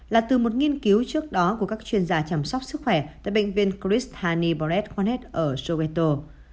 là từ một nghiên cứu trước đó của các chuyên gia chăm sóc sức khỏe tại bệnh viên chris haney boret quanet ở soweto